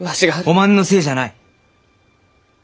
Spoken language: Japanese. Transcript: おまんのせいじゃない。